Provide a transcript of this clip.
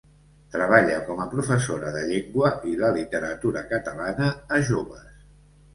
Treballa com a professora de llengua i la literatura catalana a joves.